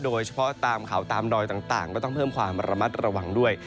โดยเฉพาะตามเขาตามดอยต่างก็ต้องเพิ่มความระมัดระวังด้วย